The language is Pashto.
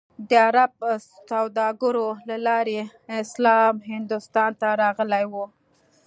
د عرب سوداګرو له لارې اسلام هندوستان ته راغلی و.